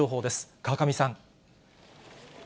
川上さん。